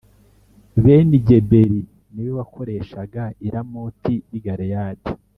Benigeberi ni we wakoreshaga i Ramoti y’i Galeyadi